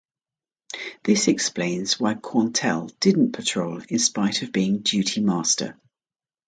This explains why Corntel didn't patrol in spite of being duty master.